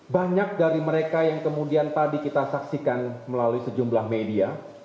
banyak dari mereka yang kemudian tadi kita saksikan melalui sejumlah media